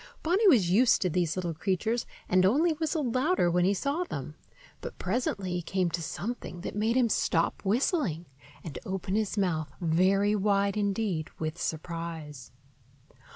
Bonny was used to these little creatures, and only whistled louder when he saw them; but presently he came to something that made him stop whistling and open his mouth very wide indeed with surprise.